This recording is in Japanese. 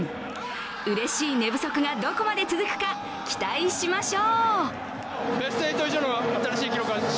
うれしい寝不足がどこまで続くか期待しましょう。